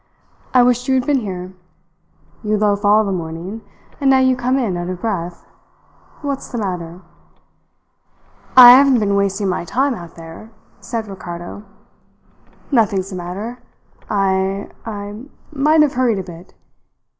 I wished you had been here. You loaf all the morning, and now you come in out of breath. What's the matter?" "I haven't been wasting my time out there," said Ricardo. "Nothing's the matter. I I might have hurried a bit."